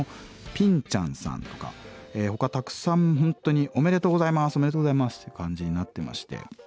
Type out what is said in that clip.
ピンちゃんさんとかほかたくさん本当におめでとうございますおめでとうございますっていう感じになってまして。